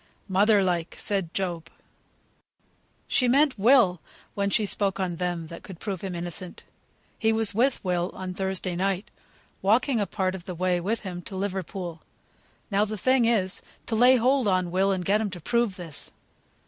"Mother like!" said Job. "She meant Will, when she spoke of them that could prove him innocent. He was with Will on Thursday night, walking a part of the way with him to Liverpool; now the thing is to lay hold on Will and get him to prove this."